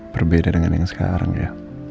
berbeda dengan yang sekarang ya